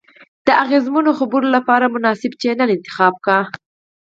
د اغیزمنو خبرو لپاره مناسب چینل انتخاب کړئ.